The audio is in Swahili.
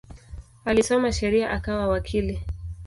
Alisoma sheria akawa wakili.